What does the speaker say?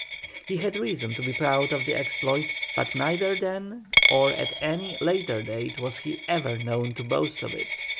He had reason to be proud of the exploit, but neither then or at any later date was he ever known to boast of it.